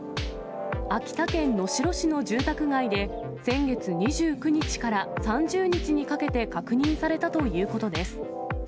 秋田県能代市の住宅街で、先月２９日から３０日にかけて、確認されたということです。